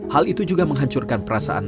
hal itu juga menghancurkan perasaan